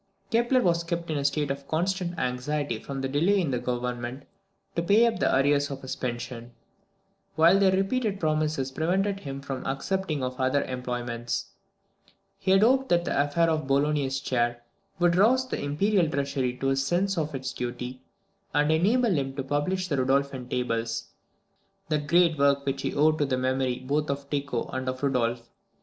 "_ Kepler was kept in a state of constant anxiety from the delay in the Government to pay up the arrears of his pension, while their repeated promises prevented him from accepting of other employments. He had hoped that the affair of the Bolognese chair would rouse the imperial treasury to a sense of its duty, and enable him to publish the Rudolphine Tables, that great work which he owed to the memory both of Tycho and of Rudolph.